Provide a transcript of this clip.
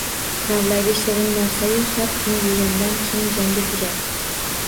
Lavlagi shirin narsa-yu, har kuni yegandan keyin jonga tegadi.